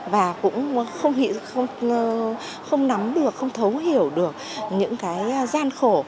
và cũng không nắm được không thấu hiểu được những cái gian khổ